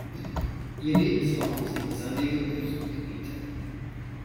Ihr Lebensraum sind sandige Wüstengebiete.